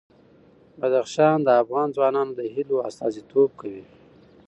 بدخشان د افغان ځوانانو د هیلو استازیتوب کوي.